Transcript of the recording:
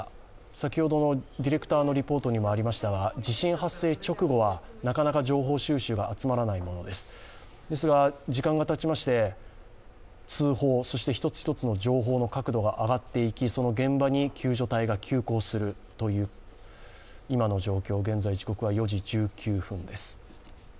先ほどのディレクターのリポートにもありましたが、地震発生直後はなかなか情報収集が集まらないものですですが時間がたちまして通報、そして一つ一つ情報の確度が上がっていきその現場に救助隊が急行するという状況です。